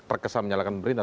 terkesan menyalahkan pemerintah